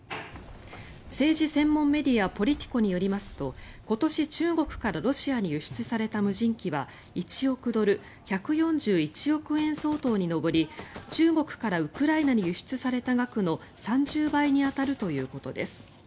政治専門メディアポリティコによりますと今年、中国からロシアに輸出された無人機は１億ドル１４１億円相当に上り中国からウクライナに輸出された額の３０倍に当たるということです。